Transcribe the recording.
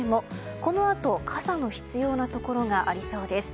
このあと傘の必要なところがありそうです。